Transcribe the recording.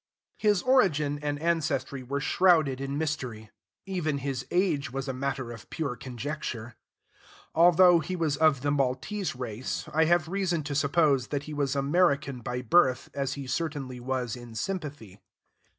His origin and ancestry were shrouded in mystery; even his age was a matter of pure conjecture. Although he was of the Maltese race, I have reason to suppose that he was American by birth as he certainly was in sympathy.